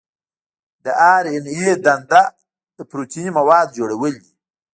د آر این اې دنده د پروتیني موادو جوړول دي.